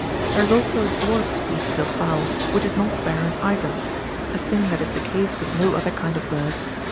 There is also a dwarf ^^ species of fowl, which is not barren either ; a thing that is the case with no other kind of bird.